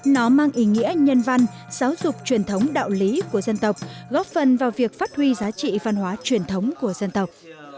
nó mang ý nghĩa nhân văn giáo dục truyền thống đạo lý của dân tộc góp phần vào việc phát huy giá trị văn hóa truyền thống của dân tộc